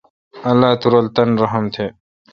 اللہ تو رل تان رحم تھ۔